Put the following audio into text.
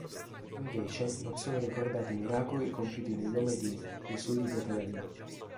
Invece, non sono ricordati miracoli compiuti nel nome di "Gesù di Betlemme".